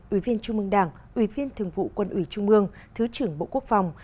ủy viên trung mương đảng ủy viên thường vụ quân ủy trung mương thứ trưởng bộ quốc phòng